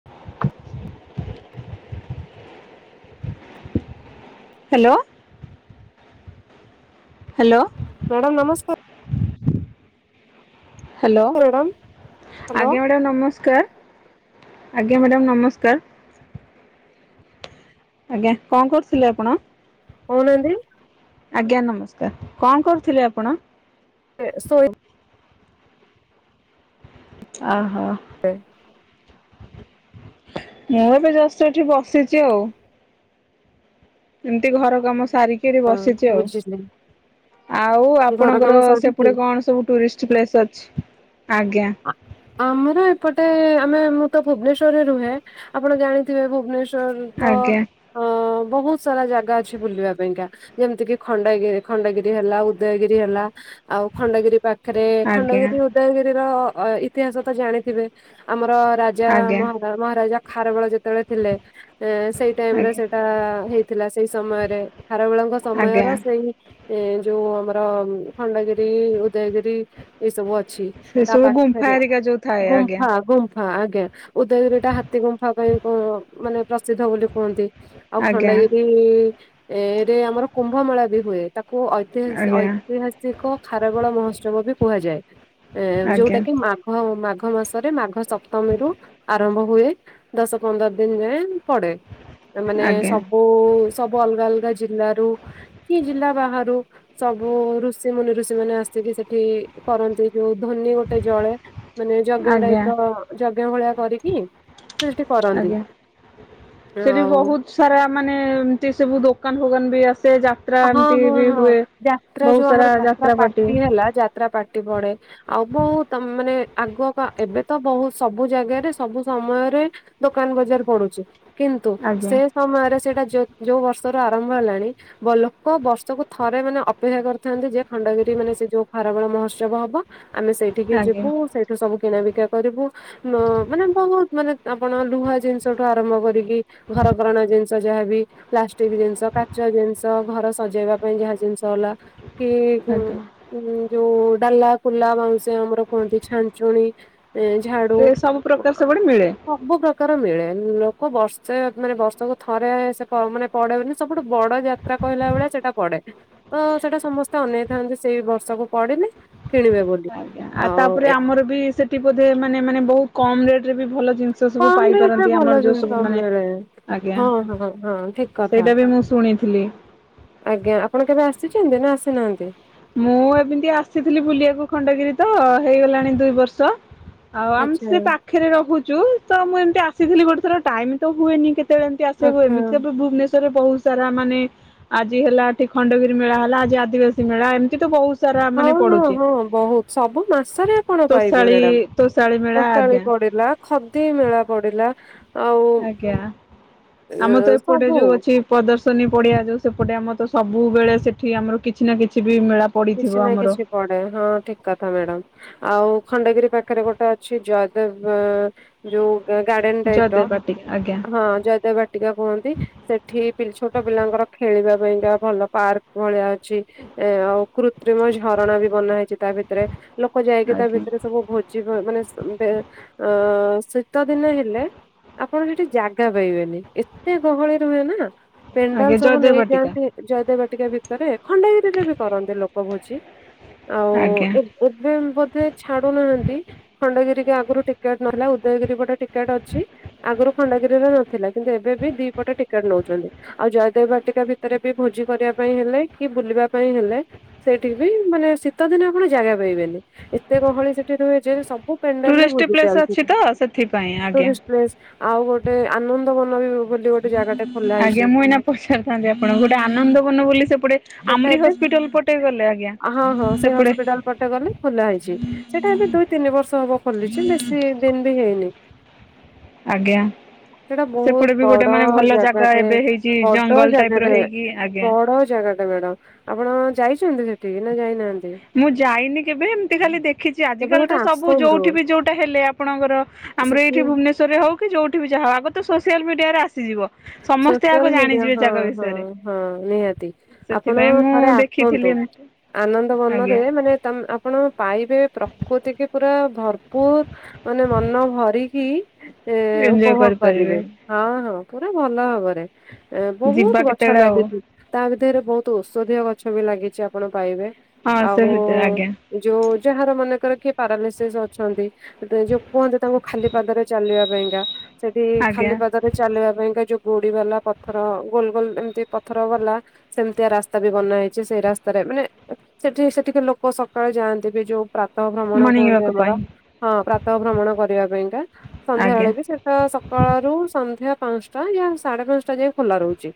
[unintelligible] Hello. Hello. Madam ନମସ୍କାର। [unintelligible] Hello madam hello ଆଜ୍ଞା madam ନମସ୍କାର। ଆଜ୍ଞା ମ୍ୟାଡ଼ାମ ନମସ୍କାର। ଆଜ୍ଞା କଣ କରୁଥିଲେ ଆପଣ? କହୁ ନାହାନ୍ତି। ଆଜ୍ଞା ନମସ୍କାର କଣ କରୁଥିଲେ ଆପଣ? ଏ ସୋଇ ଓହୋ। [unintelligible] ମୁଁ ଏବେ ଜଷ୍ଟ ଏଠି ବସିଚି ଆଉ। ଏମିତି ଘର କାମ ସାରି କି ହଁ ବୁଝିଲି। ଆଉ ଘର ଆପଣଙ୍କର କାମ ସାରିକି ସେପଟେ କଣ ସବୁ ଟୁରିଷ୍ଟ ପ୍ଲେସ ଅଛି ଆଜ୍ଞା। ଆ- ଆମର ଏପଟେ ଆମେ ମୁଁ ତ ଭୁବନେଶ୍ୱରେ ରୁହେ ଆପଣ ଜାଣିଥିବେ ଭୁବନେଶ୍ୱର ଶ୍ଵର ତ ଆଜ୍ଞା ଅଁ ବହୁତ ସାରା ଜାଗା ଅଛି ବୁଲିବା ପାଇଁକା। ଯେମିତିକି ଖଣ୍ଡଗି ଖଣ୍ଡଗିରି ହେଲା ଉଦୟଗିରି ହେଲା। ଆଉ ଖଣ୍ଡଗିରି ପାଖରେ ଆଜ୍ଞା ଖଣ୍ଡଗିରି ଉଦୟଗିରିର ଅ ଇତିହାସ ତ ଜାଣିଥିବେ, ଆମର ରାଜା ଆଜ୍ଞା ମହାମୁ ମହାରାଜା ଖାରବେଳ ଯେତେବେଳେ ଥିଲେ ସେଇ ଟାଇମ୍ ରେ ଆଜ୍ଞା। ସେଇଟା ହେଇ ଥିଲା ସେଇ ସମୟରେ। ଖାରବେଳଙ୍କ ଆଜ୍ଞା ସମୟର ସେଇ ଏ ଯୋଉ ଆମର ଖଣ୍ଡଗିରି ଉଦୟଗିରି ଏ ସବୁ ଅଛି ସେ ତା ସବୁ ଗୁମ୍ଫା ପାଖରେ ହେରିକା ଯୋଉ ଥାଏ ଆଜ୍ଞା ଗୁମ୍ଫା ଗୁମ୍ଫା ଆଜ୍ଞା ଉଦୟଗିରିଟା ହାତୀ ଗୁମ୍ଫା ପାଇଁ କଣ ମାନେ ପ୍ରସିଦ୍ଧ ବୋଲି କୁହନ୍ତି। ଆଉ ଆଜ୍ଞା। ଖଣ୍ଡଗିରି ରେ ଆମର କୁମ୍ଭମେଳା ବି ହୁଏ ତାକୁ ଐତି ଐତିହାସ ଆଜ୍ଞା ଐତିହାସିକ ଖାରବେଳ ମହୋତ୍ସବ ବି କୁହାଯାଏ। ଆଜ୍ଞା ଯୋଉଟା କି ମାଘ ମାଘ ମାସରେ ମାଘ ସପ୍ତମୀରୁୁ ଆରମ୍ଭ ହୁଏ। ଦଶ ପନ୍ଦର ଦିନ ଯାଏଁ ପଡେ ଏମାନେ ଆଜ୍ଞା ସବୁ ଓ ସବୁ ଅଲଗା ଅଲଗା ଜିଲ୍ଲାରୁ କି ଜିଲ୍ଲା ବାହାରୁ ସବୁ ଋଷି ମୁନି ଋଷି ମାନେ ଆସିକି ସେଠି କରନ୍ତି ଯୋଉ ଧ୍ୱନି ଗୋଟେ ଜଳେ। ମାନେ ଯଜ୍ଞ ଆଜ୍ଞା। ଟାଇପ ର ଯଜ୍ଞ ଭଳିଆ କରିକି ସୃଷ୍ଟି କରନ୍ତି। ଆଜ୍ଞା। ସେଠି ହଉ। ବହୁତ ସାରା ମାନେ ଏମିତି ସବୁ ଦୋକାନ ଫୋକାନ ବି ଆସେ ଯା ହଁ ହଁ ହଁ ଯାତ୍ରା ଯୋଉ ଆମର ଯାତ୍ରା ପାର୍ଟି ହେଲା ଯାତ୍ରା ପାର୍ଟି ପଡେ। ଆଉ ବହୁତ ମାନେ ଆଗ ଏବେ ତ ବହୁତ ସବୁ ଜାଗାରେ ସବୁ ସମୟରେ ଦୋକାନ ବଜାର ପଡୁଚି। କିନ୍ତୁ, ଆଜ୍ଞା ସେ ସମୟରେ ସେଟା ଯ ଯୋଉ ବର୍ଷର ଆରମ୍ଭ ହେଲାଣି ବ ଲୋକ ବର୍ଷକୁ ଥରେ ମାନେ ଅପେକ୍ଷା କରିଥାନ୍ତି ଯେ ଖଣ୍ଡଗିରି ମାନେ ସେ ଯୋଉ ଖାରବେଳ ମହୋତ୍ସବ ହବ। ଆମେ ସେଇଠି କି ଆଜ୍ଞା ଯିବୁ ସେଇଠୁ ସବୁ କିଣାବିକା କରିବୁ। ନ ମାନେ ବହୁତ ମାନେ ଆପଣ ଲୁହା ଜିନିଷଠୁ ଆରମ୍ଭ କରିକି ଘରକରଣା ଜିନିଷ ଯାହାବି ପ୍ଲାଷ୍ଟିକ ଜିନିଷ କାଚ ଜିନିଷ ତ ଘର ସଜେଇବା ପାଇଁ ଯାହା ଜିନିଷ ହେଲା କି ଆଜ୍ଞା। ଉଁ ଯୋଉ ଡାଲା, କୁଲା, ବାଉଁଶିଆ ଆମର କୁହନ୍ତି ଛାଞ୍ଚୁଣୀ। ଏ ଝାଡୁ। ଏ ସବୁ ପ୍ରକାର ସବୁଠି ମିଳେ ସବୁ ପ୍ରକାର ମିଳେ। ଲୋକ ବର୍ଷେ ମାନେ ବର୍ଷକୁ ଥରେ ସେ ପ ମାନେ ପଡେ ସବୁଠୁ ବଡ଼ ଜାତ କହିଲା ବେଳେ ସେଟା ପଡେ। ତ ସେଟା ସମସ୍ତେ ଅନେଇଥାନ୍ତି ସେଇ ବର୍ଷକୁ ପଡିଲେ କିଣିବେ ବୋଲି। ୟା ଆ ଆଉ ତାପରେ ଏ ଆମର ବି ସେଠି ବୋଧେ ମାନେ ମାନେ ବହୁତ କମ୍ ରେଟ ରେ ବି ଭଲ ଜିନିଷ ତ ସବୁ କମ ରେଟ ରେ ପାଇପାରନ୍ତି ଭଲ ଆମର ଯୋଉ ସବୁ ଜିନିଷ ମାନେ ମିଳେ ଆଜ୍ଞା, ହଁ ହଁ ହଁ ଠିକ କଥା ସେଇଟା ବି ମୁଁ ଶୁଣିଥିଲି। ଆଜ୍ଞା ଆପଣ କେବେ ଆସିଚନ୍ତି ନା ଆସିନାହାନ୍ତି? ମୁଁ ଏମିତି ଆସିଥିଲି ବୁଲିବାକୁ ଖଣ୍ଡଗିରି ତ ହେଇଗଲାଣି ଦୁଇ ବର୍ଷ। ଆଉ ଆମେ ସେ ଆଚ୍ଛା ପାଖରେ ରହୁଚୁ ତ ମୁଁ ଏମିତି ଆସିଥିଲି ଗୋଟେ ଥର ଟାଇମ୍ ତ ହୁଏନି କେତ ସେ ଏମିତି ଆସିବାକୁ ଆଚ୍ଛା ଏମିତି ଭୁବନେଶ୍ୱରରେ ବହୁତ ତାରା ମାନେ ଆଜି ହେଲା ଏଠି ଖଣ୍ଡଗିରି ମେଳା ହେଲା ଆଜି ଆଦିବାସୀ ମେଳା ଏମିତି ତ ବହୁତ ସାରା ହଁ ମାନେ ହଁ ପଡୁଛି। ହଁ ବହୁତ ସବୁ ମାସରେ ଆପଣ ପାଇବେ ତୋଷାଳୀ ମ୍ୟାଡାମ୍। ତୋଷାଳୀ ମେଳା ତୋଷାଳୀ ଆଜ୍ଞା ପଡିଲା। ଖଦି ମେଳା ପଡିଲା। ଆଉ ଆଜ୍ଞା, ଏ ଆମ ତ ଏପଟେ ସବୁ ଯୋଉ ଅଛି। ପ୍ରଦର୍ଶନୀ ପଡ଼ିଆ ଯୋଉ ସେପଟେ ଆମର ତ ସବୁବେଳେ ସେଠି ଆମର କିଛି ନା କିଛି ବି ମେଳା ପଡିଥିବ କିଛି ନା ଆମର କିଛି ପଡ଼େ ହଁ ଠିକ୍ କଥା ମ୍ୟାଡାମ। ଆଉ ଖଣ୍ଡଗିରି ପାଖରେ ଗୋଟେ ଅଛି ଜୟଦେବ ଯୋଉ ଗାର୍ଡେନ୍ ଟାଇପ ର ଜୟଦେବ ବାଟିକା ଆଜ୍ଞା ହଁ ଜୟଦେବ ବା ଟିକା କୁହନ୍ତି, ସେଠି ଛୋଟ ପିଲାଙ୍କର ଖେଳିବା ପାଇଁକା ଭଲ ପାର୍କ ଭଳିଆ ଅଛି। ଏ ଆଉ କୃତ୍ରିମ ଝରଣା ବି ବନା ହେଇଚି ତା ଭିତରେ, ଲୋକ ଯାଇକି ତା ଆଜ୍ଞା। ଭିତରେ ସବୁ ଭୋ ଜି ମାନେ ଅ ଶୀତ ଦିନ ହେଲେ ଆପଣ ସେଠି ଜାଗା ପାଇବେନି, ଏତେ ଗହଳି ରୁହେ ନା? ପେଣ୍ଡାଲ ଆଜ୍ଞା ସବୁ ଜୟଦେବ ବାଟିକା। ନେଇଯାଆନ୍ତି। ଜୟଦେବବାଟିକା ଭିତରେ ଖଣ୍ଡଗିରିରେ ବି କରନ୍ତି ଲୋକ ଭୋଜି, ଆଉ ଆଜ୍ଞା ଏ ଏବେ ବୋଧେ ଛାଡୁନାହାନ୍ତି ଖଣ୍ଡଗିରି କି ଆଗରୁ ଟିକେଟ୍ ନହେଲା, ଉଦୟଗିରି ଗୋଟେ ଟିକେଟ୍ ଅଛି। ଆଗରୁ ଖଣ୍ଡଗିରିରେ ନଥିଲା କିନ୍ତୁ ଏବେ ବି ଦି ପଟେ ଟିକେଟ୍ ନଉଚନ୍ତି। ଆଉ ଜୟଦେବ ବାଟିକା ଭିତରେ ବି ଭୋଜି କରିବା ପାଇଁ ହେଲେ, କି ବୁଲିବା ପାଇଁ ହେଲେ ସେଇଠି ବି, ମାନେ ଶୀତ ଦିନେ ଆପଣ ଜାଗା ପାଇବେନି, ଏତେ ଗହଳି ସେଠି ରୁହେ ଯେ, ସ ମୁଁ ପେଣ୍ଡର ଟୁରିଷ୍ଟ ବୁଝି ପ୍ଲେସ ଚାଲଚି ଅଛି ତ, ସେଥିପାଇଁ ଆଜ୍ଞା। [unintelligible] ଆଉ ଗୋଟେ ଆନନ୍ଦ ବନ ବି ବୋଲି ଗୋଟେ ଜାଗାଟେ ଖୋଲା ହେଇଛି। ଆଜ୍ଞା, ମୁଁ ଏଇନା ପଚାରିଥାନ୍ତି ଆପଣଙ୍କୁ, ଗୋଟେ ଆନନ୍ଦବନ ବୋଲି ସେପଟେ ସେଟା ଆମ୍ ରିି ଏବେ ହସ୍ପିଟାଲ ପଟେ ଗଲେ ଆଜ୍ଞା। ହଁ ହଁ, ସେଇ ସେପଟେ ହସ୍ପିଟାଲ ପଟେ ଗଲେ ଖୋଲା ହେଇଚି, ସେଇଟା ଏବେ ଦୁଇ ତିନି ବର୍ଷ ହବ ଖୋଲିଚି, ବେଶୀ ଦିନ୍ ବି ହେଇନି। ଆଜ୍ଞା। ସେଇଟା ବହୁତ ସେପଟେ ବି ବଡ ଗୋଟେ ମାନେ ଭଲ ଜାଗା ଜାଗାଟେ ଏବେ ହେଇଚି, ବଡ ଜଙ୍ଗଲ ଟାଇପ ର୍ ହେଇକି ଆଜ୍ଞା। ଗଡ଼, ଆପଣ ଯାଇଚନ୍ତି ସେଠିକି ନା ଯାଇନାହାନ୍ତି? ମୁଁ ଯାଇନି କେବେ, ଏମିତି ଖାଲି ଦେଖିଚି, କେବେ ଆଜିକାଲି ଗୋଟେ ତ ସବୁ ଯୋଉଠି ବି ଯୋଉଟା ହେଲେ ଆପଣଙ୍କର ସେ ସେଠି ଭୁବନେଶ୍ୱରରେ ହଉ କି, ଯଉଠି ବି ଯାହା ହଉ, ଆଗ ତ ସୋସିଆଲ ମିଡିଆରେ ଆସିଯିବ। ସମସ୍ତେ ଆଗ ସୋସିଆଲ ମିଡିଆ, ଜାଣିଯିବେ ହଁ ଜାଗା ହଁ ବିଷୟରେ ହଁ, ନିହାତି, ଆପଣ ସେଥିପାଇଁ ମୁଁ ଥରେ ଦେଖିଥିଲି ଆସନ୍ତୁ। ଏମିତି। ଆନନ୍ଦ ଆଜ୍ଞା ମନରେ, ମାନେ ତ ଆପଣ ପାଇବେ, ପ୍ରକୃତିକି ପୁରା ଭରପୁର, ମାନେ ମନ ଭରିକି ସେ ଏଞ୍ଜୟ ଉପଭୋଗ କରିପାରିବେ କରିବେ, ହଁ ହଁ। ପୁରା ଭଲ ଭାବରେ, ଏ ବହୁତ ଯିବା ଗଛ କେତେବେଳେ ଆଉ ଲାଗିଛି। ତା ଭିତରେ ବହୁତ ଔଷଧୀୟ ଗଛ ବି ଲାଗିଛି ଆପଣ ପାଇବେ, ହଁ ଆଉ ସେ ଭିତରେ ଆଜ୍ଞା ଯୋଉ ଯାହାର ମନେକର କିଏ ପାରାଲିସିସ୍ ଅଛନ୍ତି ଯୋଉ କୁହନ୍ତି ତାଙ୍କୁ ଖାଲି ପାଦରେ ଚାଲିବା ପାଇଁକା, ସେଠି ଆଜ୍ଞା ଖାଲି ପାଦରେ ଚାଲିବା ତା ପାଇଁକା ଯୋଉ ଗୋଡି ବାଲା ପଥର ଗୋଲ୍ ଗୋଲ୍ ଏମତି ପଥର ବାଲା ସେମିତିଆ ରାସ୍ତା ବି ବନା ହେଇଚି, ସେଇ ରାସ୍ତାରେ ମାନେ ସେଠି ସେଠିକେ ଲୋକ ସକାଳୁ ଯାଆନ୍ତି ବି ଯୋଉ ପ୍ରାତଃ ଭ୍ରମଣ ମର୍ଣ୍ଣିଂ କୁହନ୍ତି ୱାକ୍ ଆମର, ପାଇଁ ହଁ ପ୍ରାତଃ ଭ୍ରମଣ କରିବା ପାଇଁକା, ସନ୍ଧ୍ୟା ଆଜ୍ଞା ବେଳେ ବି ସେ ତ ସକାଳ ରୁ ସନ୍ଧ୍ୟା ପାଞ୍ଚଟା, ୟା ସାଢେ ପାଞ୍ଚଟା ଯାଏ ଖୋଲା ରହୁଛି।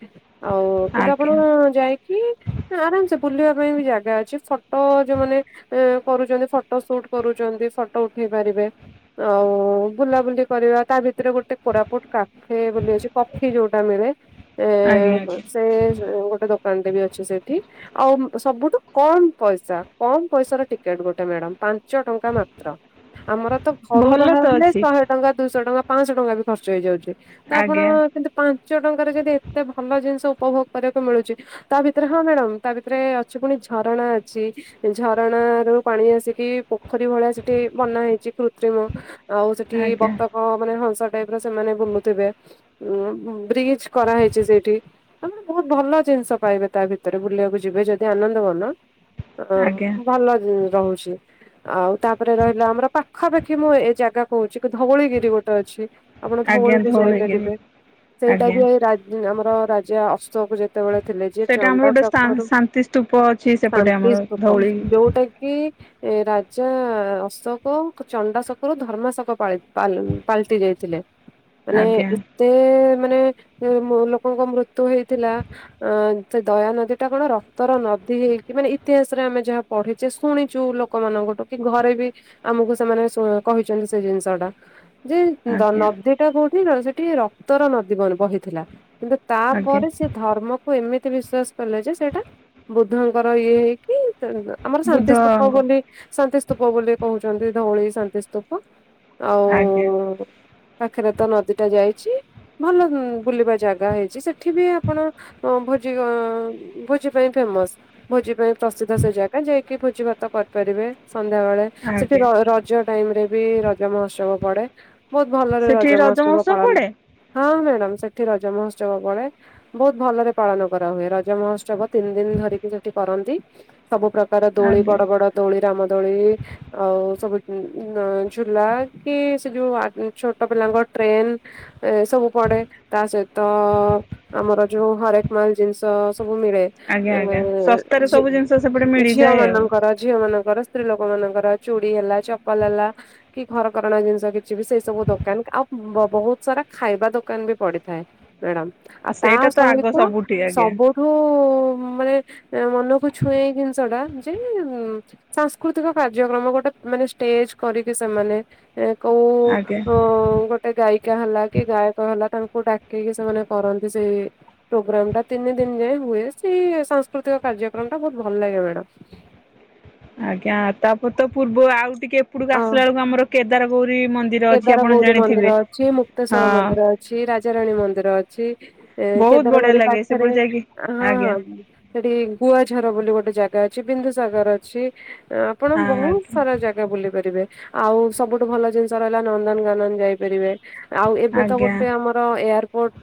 ଆଉ କିନ୍ତୁ ଆପଣ ଆଜ୍ଞା ଯାଇ [unintelligible] ଆରାମସେ ବୁଲିବା ପାଇଁ ବି ଜାଗା ଅଛି, ଫଟୋ ଯୋଉମାନେ ଏ କରୁଚନ୍ତି, ଫଟୋ ସୁଟ୍ କରୁଚନ୍ତି, ଫଟୋ ଉଠେଇ ପାରିବେ। ଆଉ ବୁଲାବୁଲି କରିବା, ତା ଭିତରେ ଗୋଟେ କୋରାପୁଟ କା କାଫେ ବୋଲି ଅଛି କଫି ଯୋଉଟା ମିଳେ, ଏ ଆଜ୍ଞା ଆଜ୍ଞା ସେ ଗୋଟେ ଦୋକାନ୍ ଟେ ବି ଅଛି ସେଇଠି। ଆଉ ସବୁଠୁ କମ୍ ପଇସା, କମ୍ ପଇସା ର ଟିକେଟ ଗୋଟେ ମ୍ୟାଡାମ୍, ପାନ୍ ପାଞ୍ଚ ଟଙ୍କା ମାତ୍ର, ଆମର ତ ଘରୁ ଭଲ ତ ବାହାରିଲେ ଅଛି ଶହେ ଟଙ୍କା, ଦୁଇଶହ ଟଙ୍କା, ପାଆଁଶ ଟଙ୍କା ବି ଖର୍ଚ୍ଚ ହେଇଯାଉଚି, ତ ଆପଣ ଆଜ୍ଞା କିନ୍ତୁ ପାଞ୍ଚ ଟଙ୍କାରେ ଯଦି ଏତେ ଭଲ ଜିନିଷ ଉପଭୋଗ କରିବାକୁ ମିଳୁଚି ତା ଭିତରେ ହଁ ମ୍ୟାଡାମ ତା ଭିତରେ ଅଛି ପୁଣି ଝରଣା ଅଛି। ଝରଣ ରୁ ପାଣି ଆସିକି ପୋଖରୀ ଭଳିଆ ସେଠି ବନା ହେଇଛି କୃତ୍ରିମ। ଆଉ ସେଠି ଆଜ୍ଞା ବତକ ମାନେ ହଂସ ଟାଇପ ର ସେମାନେ ବୁଲୁଥିବେ। ଉ ବ୍ରିଜ କରାହେଇଛି ସେଇଠି ତମେ ବହୁତ ଭଲ ଜିନିଷ ପାଇବେ ତା ଭିତରେ ବୁଲିବାକୁ ଯିବେ ଯଦି ଆନନ୍ଦ ବନ ଅ ଆଜ୍ଞା ଭଲ ରହୁଛି ଆଉ ତାପରେ ରହିଲା ଆମର ପାଖାପାଖି ମୁଁ ଏ ଜାଗା କହୁଛି ଧଉଳିଗିରି ଗୋଟେ ଅଛି। ଆପଣ ଆଜ୍ଞା ଧଉଳି ବି ଧଉଳିଗିରି ଯାଇପାରିବେ। ସେଇଟା ଆଜ୍ଞା ବି ଏଇ ଆମର ରାଜା ଅଶୋକ ଯେତେବେଳେ ଥିଲେ ଯିଏ ଚଣ୍ଡାସକରୁ ସ୍ତୁପ ଅଛି ସେପଟେ ଆମର ଧଉଳି କୋଉଟା କି ଏ ରାଜା ଅଶୋକ ଚଣ୍ଡାଶୋକ ରୁ ଧର୍ମାଶକ ପାଲଟି ଯାଇଥିଲେ। [unintelligible] ମାନେ ଏତେ ମାନେ ଲୋକଙ୍କ ମୃତ୍ୟୁ ହେଇଥିଲା। ଅ ସେ ଦୟା ନଦୀ ଟା କଣ ରକ୍ତର ନଦୀ ହେଇକି ମାନେ ଇତିହାସରେ ଆମେ ଯାହା ପଢିଛେ ଶୁଣିଛୁ ଲୋକମାନଙ୍କଠୁ କି ଘରେ ବି ଆମକୁ ସେମାନେ କହିଛନ୍ତି ସେ ଜିନିଷ ଟା ଯେ ଆଜ୍ଞା ନଦୀଟା କୋହୁଠି ନା ସେଠି ରକ୍ତର ନଦୀ ବହିଥିଲା। କିନ୍ତୁ ଆଜ୍ଞା ତାପରେ ସେ ଧର୍ମକୁ ଏମିତି ବିଶ୍ଵାସ କଲେ ଯେ ସେଇଟା ବୁଦ୍ଧଙ୍କର ଇଏ ହେଇକି ଆମର ଶାନ୍ତି ସ୍ତୁପ ବୁଦ୍ଧଙ୍କ ବୋଲି ଶାନ୍ତିସ୍ତୂପ ବୋଲି କହୁଛନ୍ତି ଧଉଳି ଶାନ୍ତିସ୍ତୂପ ଆଜ୍ଞା ଆଉ ପାଖରେ ତ ନଦୀ ଟା ଯାଇଛି। ଭଲ ବୁଲିବା ଜାଗା ହେଇଛି ସେଠି ବି ଆପଣ ଭୋଜି ଭୋଜି ପାଇଁ ଫେମସ। ଭୋଜି ପାଇଁ ପ୍ରସିଦ୍ଧ ସେ ଜାଗା ଯାଇକି ଭୋଜି ଭାତ କରିପାରିବେ ସନ୍ଧ୍ୟାବେେଳେ। ସେଠି ଆଜ୍ଞା ରଜ ଟାଇମ ରେ ବି ରଜ ମହୋତ୍ସବ ପଡେ ବହୁତ ଭଲରେ ରଜ ମହୋତ୍ସବ ହଁ ମ୍ୟାଡାମ ସେଠି ରଜ ମହୋତ୍ସବ ପଡେ ବହୁତ ଭଲରେ ପାଳନ କରାହୁୁଏ ରଜ ମହୋତ୍ସବ ତିନି ଦିନ ଧରିକି ସେଠି କରନ୍ତି ସବୁ ପ୍ରକାର ପ୍ରକାର ଦୋଳି ଆଜ୍ଞା ବଡ ବଡ ଦୋଳି ରାମ ଦୋଳି ଆଉ ସବୁ ଝୁଲା କି ସେ ଯୋଉ ଛୋଟ ପିଲାଙ୍କ ଟ୍ରେନ ଏ ସବୁ ପଡେ ତା ସହିତ ଆମର ଯୋଉ ହରେକ ଜିନିଷ ସବୁ ମିଳେ ଆଜ୍ଞା ଆଜ୍ଞା ଶସ୍ତାରେ ସବୁ ଜିନିଷ ସେପଟେ ଝିଅ ମିଳିଯାଏ ଆଉ ମଙ୍କର ଝିଅ ମାନଙ୍କର ସ୍ତ୍ରୀ ଲୋକ ମାନଙ୍କର ଚୁଡ଼ି ହେଲା ଚପଲ ହେଲା। କି ଘରକରଣା ଜିନିଷ କିଛି ବି ସେଇ ସବୁ ଦୋକାନ ଆଉ ବହୁତ ସାରା ଖାଇବା ଦୋକାନ ବି ପଡିଥାଏ ମ୍ୟାଡାମ ଆଉ ତା ସେଇଟା ତ ଆଗ ସହିତ ସବୁଠି ଆଜ୍ଞା ସବୁ ଠୁ ମାନେ ମନକୁ ଛୁଏଁ ଏଇ ଜିନିଷ ଟା ଯେ ସାଂସ୍କୃତିକ କାର୍ଯ୍ୟକ୍ରମ ଗୋଟେ ମାନେ ଷ୍ଟେଜ କରିକି ସେମାନେ କୋଉ ଆଜ୍ଞା ଗୋଟେ ଗାଈ ଶିକା ହେଲା କି ଗାୟକ ହେଲା ତାଙ୍କୁ ଡାକେଇିକି ସେମାନେ କରନ୍ତି ସେଇ ପ୍ରୋଗ୍ରାମ ଟା ତିନି ଦିନ ଯାଏଁ ହୁଏ ସେଇ ସାଂସ୍କୃତିକ କାର୍ଯ୍ୟକ୍ରମ ଟା ବହୁତ ଭଲ ଲାଗେ ମ୍ୟାଡ଼ାମ। ଆଜ୍ଞା ତାପରେ ତ ପୂର୍ବ ଆଉ ଟିକେ ଏପଟକୁ ଅ ଆସିଲା ବେଳକୁ ଆମର କେଦାର ଗୌରୀ ମନ୍ଦିର। ଅଛି କେଦାର ଆପଣ ଗୌରୀ ଜାଣିଥିବେ। ମନ୍ଦିର ଅଛି ମୁକ୍ତେଶ୍ଵର ହଁ ମନ୍ଦିର ଅଛି ରାଜାରାଣୀ ମନ୍ଦିର ଅଛି। ଏ ବହୁତ ବଢିଆ କେଦାରଗୋରି ଲାଗେ ପାଖରେ ସେପଟେ ଯାଇକି ହଁ ଆଜ୍ଞା ହଁ ସେଠି ଗୁଆଝର ବୋଲି ଗୋଟେ ଜାଗା ଅଛି ବିନ୍ଦୁସାଗର ଅଛି ଆପଣ ବହୁତ ଆଜ୍ଞା ସାରା ଜାଗା ବୁଲି ପାରିବେ ଆଉ ସବୁଠୁ ଭଲ ଜିନିଷ ରହିଲା ନନ୍ଦନ କାନନ ଯାଇପାରିବେ। ଆଉ ଏବେ ତ ଆଜ୍ଞା ଗୋଟେ ଆମର ଏୟାରପୋର୍ଟ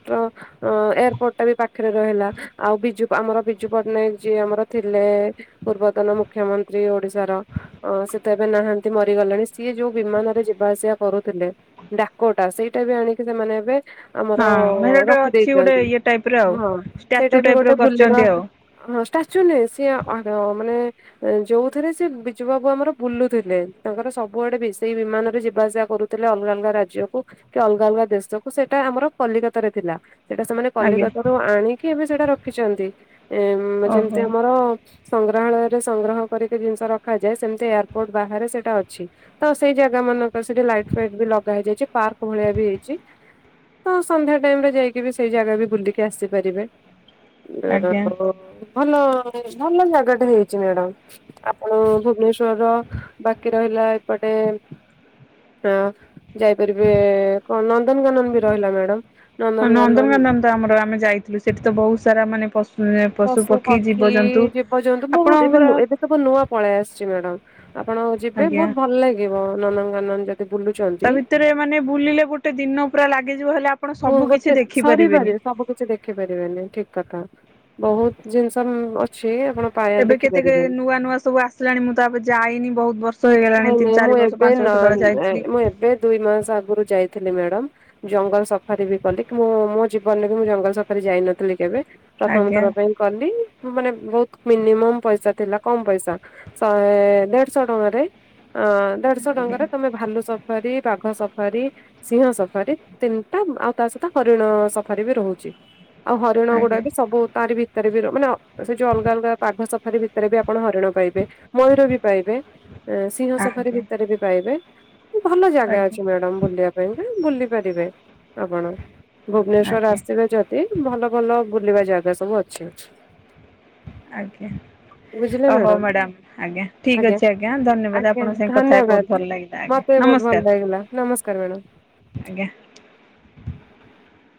ଅ ଏୟାରପୋର୍ଟ ଟା ବି ପାଖରେ ରହିଲା ଆଉ ବିଜୁ ଆମର ବିଜୁ ପଟ୍ଟନାୟକ ଯିଏ ଆମର ଥିଲେ। ପୂର୍ବତନ ମୁଖ୍ୟମନ୍ତ୍ରୀ ଓଡିଶାର। ଅଁ ସେ ତ ଏବେ ନାହାନ୍ତି ମରିଗଲେଣି ସିଏ ଯୋଉ ବିମାନରେ ଯେ ଯିବା ଆସିବା କରୁଥିଲେ ଡାକଟା ସେଇଟା ବି ଆଣିକି ସେମାନେ ଏବେ ହଁ ଆମର ମାନେ ଗୋଟେ ରଖି ଅଛି ଗୋଟେ ଦେଇଚନ୍ତି ଇଏ ଟାଇପ ର ଆଉ ହଁ ଷ୍ଟାଚୁ ସେଇଟା ବି ଟାଇପ ର ଗୋଟେ ବୁଲିବା କରିଛନ୍ତି ଆଉ ହଁ ଷ୍ଟାଚୁ ନୁହେଁ ସିଏ ଅଡିଓ ମାନେ ଯୋଉଥିରେ ସେ ବିଜୁ ବାବୁ ଆମର ବୁଲୁଥିଲେ ତାଙ୍କର ସବୁଆଡେ ବି ସେଇ ବିମାନରେ ଯେ ଯିବାସିବା କରୁଥିଲେ ଅଲଗା ଅଲଗା ରାଜ୍ୟକୁ କି ଅଲଗା ଅଲଗା ଦେଶକୁ ସେଇଟା ଆମର କଲିକତା ରେ ଥିଲା ସେଇଟା ସେମାନେ ଆଜ୍ଞା କଲିକତାରୁ ଆଣିକି ଏବେ ସେଇଟା ରଖିଚନ୍ତି ଏ ଯେମିତି ଓହୋ ଆମର ସଂଗ୍ରହାଳୟରେ ସଂଗ୍ରହ କରିକି ଜିନିଷ ରଖାଯାଏ ସେମିତି ଏୟାରପୋର୍ଟ ବାହାରେ ସେଇଟା ଅଛି। ତ ସେଇ ଜାଗା ମାନଙ୍କ ସେଠି ଲାଇଟ ଫାଇଟ ବି ଲଗା ହେଇଯାଇଛି ପାର୍କ ଭଳିଆ ବି ହେଇଚି। ହଁ ସନ୍ଧ୍ୟା ଟାଇମ ରେ ଯାଇକି ବି ସେଇ ଜାଗା ବି ବୁଲିକି ଆସିପାରିବେ। ଆଜ୍ଞା ଦେରସ ଭଲ ଭଲ ଜାଗାଟା ହେଇଚି ମ୍ୟାଡାମ। ଆପଣ ଭୁବନେଶ୍ଵର ବାକି ରହିଲା ଏପଟେ ହଁ ଯାଇପାରିବେ କଣ ନନ୍ଦନକାନନ ବି ରହିଲା ମ୍ୟାଡାମ। ହଁ ନନ୍ଦନକାନନ ତ ଆମର ଆମେ ଯାଇଥିଲୁ ସେଠି ତ ବହୁତ ସାରା ମାନେ ପୁ ପଶୁ ପକ୍ଷୀ ଜୀବଜନ୍ତୁ ଆପଣଙ୍କର [unintelligible] ସବୁ ନୂଆ ପଳେଇ ଆସିଛି ମ୍ୟାଡାମ ଆପଣ ଯିବେ ଆଜ୍ଞା ବହୁତ ଭଲ ଲାଗିବ ନନ୍ଦନକାନନ ଯଦି ବୁଲୁଚ ତା ଭିତରେ ମାନେ ବୁଲିଲେ ଗୋଟେ ଦିନ ପୁରା ଲାଗିଯିବ ହେଲେ ଆପଣ ସବୁ କିିଛି ଦେଖିପାରି ଦେଖି ପାରେ ସବୁ କିଛି ଦେଖି ପାରିବେନି ଠିକ୍ କଥା ବହୁତ ଜିନିଷ ଅଛି ଆପଣ ପାୟା ଏବେ କେତେ କେ ଦେଖିପାରିବେନି। ନୂଆ ନୂଆ ସବୁ ଆସିଲାଣି ମୁଁ ତ ଏବେ ଯାଇନି ବହୁତ ବର୍ଷ ହେଇଗଲାଣି ନାଇଁ ତିନି ନାଇଁ ମୁଁ ଚାରି ବର୍ଷ ଏବେ ପାଞ୍ଚ ନ ବର୍ଷ ତଳେ ଯାଇଥି ମୁଁ ଏବେ ଦୁଇ ମାସ ଆଗରୁ ଯାଇଥିଲି ମ୍ୟାଡ଼ାମ। ଜଙ୍ଗଲ ସଫାରୀ ବି କଲି ମୁଁ ମୋ ଜୀବନରେ ମୁଁ ଜଙ୍ଗଲ ସଫାରୀ ଯାଇନଥିଲି କେବେ। ପ୍ରଥମ ଆଜ୍ଞା ଥର ପାଇଁ କଲି ମାନେ ବହୁତ ମିନିମମ ପଇସା ଥିଲା କମ ପଇସା। ଶହେ ଦେଢଶହ ଟଙ୍କାରେ ଅ ଦେଢଶହ ଆଜ୍ଞା ଟଙ୍କାରେ ତମେ ଭାଲୁ ସଫାରୀ ବାଘ ସଫାରୀ ସିଂହ ସଫାରୀ ତିନିଟା ଆଉ ତା ସହିତ ହରିଣ ସଫାରୀ ବି ରହୁଚି। ଆଉ ହରିଣ ଆଜ୍ଞା ଗୁଡାକ ସବୁ ତାରି ଭିତରେ ବି ମାନେ ସେ ଯୋଉ ଅଲଗା ଅଲଗା ବାଘ ସଫାରି ଭିତରେ ବି ଆପଣ ହରିଣ ପାଇବେ ମୟୂର ବି ପାଇବେ ସିଂହ ସଫାରି ଆଜ୍ଞା ଭିତରେ ବି ପାଇବେ। ଭଲ ଜାଗା ଆଜ୍ଞା। ଅଛି ମ୍ୟାଡାମ ବୁଲିବା ପାଇଁ ବୁଲି ପାରିବେ ଆପଣ। ଭୁବନେଶ୍ଵର ଆଜ୍ଞା ଆସିଥିବେ ଯଦି ଭଲ ଭଲ ବୁଲିବା ଜାଗା ସବୁ ଅଛି। ଆଜ୍ଞା। ବୁଝିଲେ ଓହୋ ମ୍ୟାଡାମ ମ୍ୟାଡାାମ ଆଜ୍ଞା ଠିକ୍ ଅଛି ଆଜ୍ଞା ଧନ୍ୟବାଦ ଆଜ୍ଞା ଆପଣଙ୍କ ସାଙ୍ଗେ କଥା ଦେଇ ଧନ୍ୟବାଦ ବହୁତ ଭଲ ଲାଗିଲା। ଆଜ୍ଞା ମତେ ବି ବହୁତ ନମସ୍କାର ଭଲ ଲାଗିଲା ନମସ୍କାର ମ୍ୟାଡ଼ାମ। ଆଜ୍ଞା।